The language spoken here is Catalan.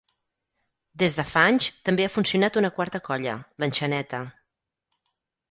Des de fa anys també ha funcionat una quarta colla, l'Enxaneta.